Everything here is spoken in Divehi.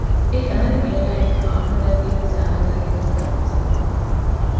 އެއީ އަހަރެން އޭނާއަށް ކާން ހަދައިދީ ސައި ހަދައި ދޭތީ ކަމަށްވެސް ވެދާނެ